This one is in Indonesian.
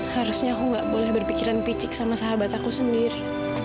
harusnya aku nggak boleh berpikiran picik sama sahabat aku sendiri